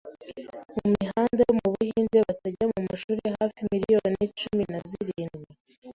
mu mihanda yo mu Buhinde, batajya mumashuli hafi miliyoni cumin a zirindwi